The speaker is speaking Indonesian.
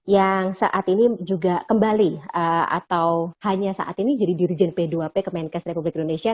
yang saat ini juga kembali atau hanya saat ini jadi dirjen p dua p ke menkes republik indonesia